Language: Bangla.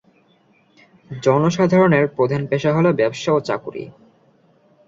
জনসাধারনের প্রধান পেশা হলো ব্যবসা ও চাকুরী।